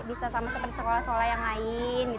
bisa sama seperti sekolah sekolah yang lain